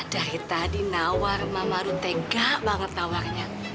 dari tadi nawar mama rute gak banget tawarnya